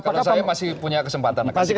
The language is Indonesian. kalau saya masih punya kesempatan